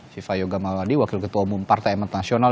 siva yoga mauladi wakil ketua umum partai amat nasional